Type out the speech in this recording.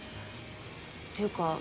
っていうか